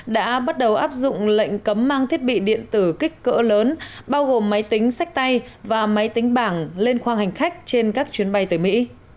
đã bắt đầu áp dụng lệnh cấm mang thiết bị điện tử kích cỡ lớn bao gồm máy tính sách tay và máy tính bảng lên khoang hành khách trên các chuyến bay tới mỹ